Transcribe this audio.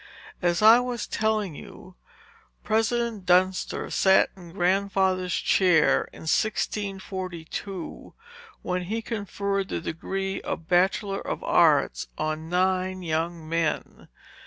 "As I was telling you, President Dunster sat in Grandfather's chair in 1642, when he conferred the degree of bachelor of arts on nine young men.